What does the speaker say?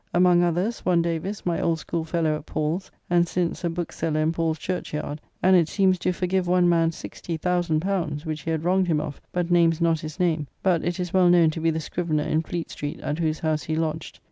Among others, one Davis, my old schoolfellow at Paul's, and since a bookseller in Paul's Church Yard: and it seems do forgive one man L60,000 which he had wronged him of, but names not his name; but it is well known to be the scrivener in Fleet Street, at whose house he lodged.